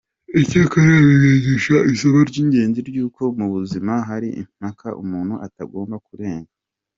Icyakora bimwigisha isomo ry’ingenzi ry’uko mu buzima hari imipaka umuntu atagomba kurenga.